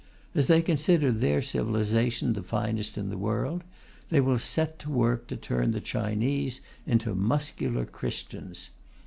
As they consider their civilization the finest in the world, they will set to work to turn the Chinese into muscular Christians.